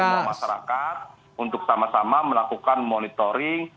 semua masyarakat untuk sama sama melakukan monitoring